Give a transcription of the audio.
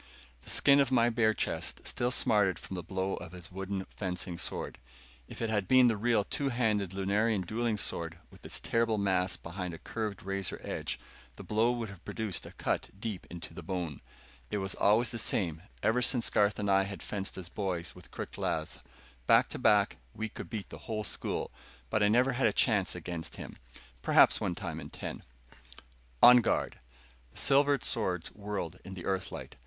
The skin of my bare chest still smarted from the blow of his wooden fencing sword. If it had been the real two handed Lunarian dueling sword, with its terrible mass behind a curved razor edge, the blow would have produced a cut deep into the bone. It was always the same, ever since Garth and I had fenced as boys with crooked laths. Back to back, we could beat the whole school, but I never had a chance against him. Perhaps one time in ten "On guard!" The silvered swords whirled in the Earth light.